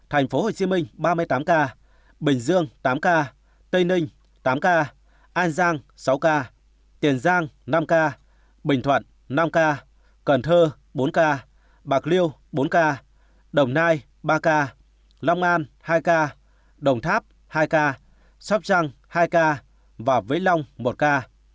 tp hcm ba mươi tám ca bình dương tám ca tây ninh tám ca an giang sáu ca tiền giang năm ca bình thuận năm ca cần thơ bốn ca bạc liêu bốn ca đồng nai ba ca long an hai ca đồng tháp hai ca sóc trăng hai ca vĩnh long một ca